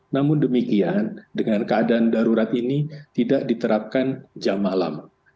namun demikian dengan keadaan darurat ini tidak diterapkan jam malam